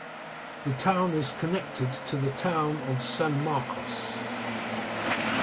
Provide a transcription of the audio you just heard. The town is connected to the town of San Marcos.